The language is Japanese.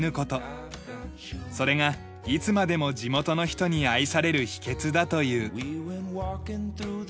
それがいつまでも地元の人に愛される秘訣だという。